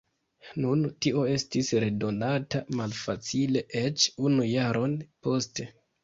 Nun tio estis redonata malfacile, eĉ unu jaron poste.